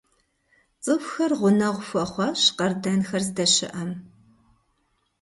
ЦӀыхухэр гъунэгъу хуэхъуащ къардэнхэр здэщыӀэм.